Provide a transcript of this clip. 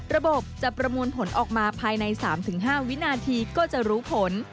ระบบจะประมวลผลออกมาภายใน๓๕วินาทีก็จะรู้ผล